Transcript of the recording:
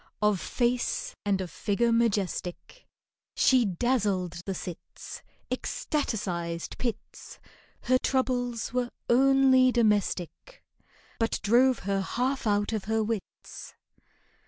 Of face and of figure majestic, She dazzled the cits— Ecstaticised pits;— Her troubles were only domestic, But drove her half out of her wits.